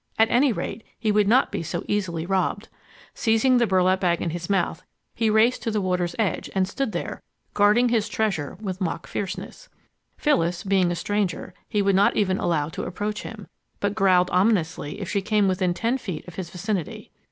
At any rate, he would not be easily robbed. Seizing the burlap bag in his mouth, he raced to the water's edge and stood there, guarding his treasure with mock fierceness. Phyllis, being a stranger, he would not even allow to approach him, but growled ominously if she came within ten feet of his vicinity.